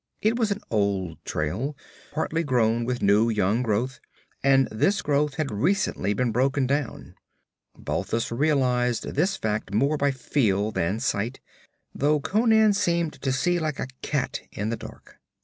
It was an old trail, partly grown with new young growth, and this growth had recently been broken down. Balthus realized this fact more by feel than sight, though Conan seemed to see like a cat in the dark.